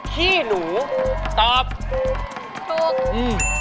พี่หนูตอบศุกร์อืม